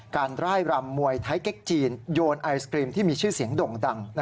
การไล่รำมวยไทเก็กจีนโยนไอศกรีมที่มีชื่อเสียงด่ง